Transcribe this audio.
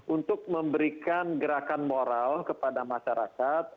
untuk memberikan gerakan moral kepada masyarakat